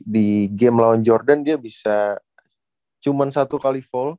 di game lawan jordan dia bisa cuma satu kali full